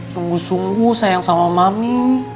sungguh sungguh sayang sama mami